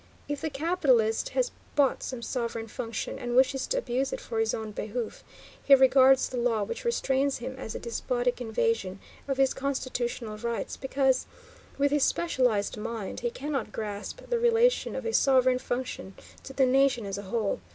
If the capitalist has bought some sovereign function, and wishes to abuse it for his own behoof, he regards the law which restrains him as a despotic invasion of his constitutional rights, because, with his specialized mind, he cannot grasp the relation of a sovereign function to the nation as a whole.